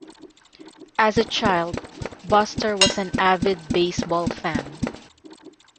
As a child Buster was an avid baseball fan.